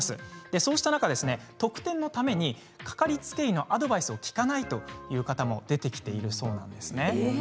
そうした中、特典のために掛かりつけ医のアドバイスを聞かないという方も出てきているそうなんです。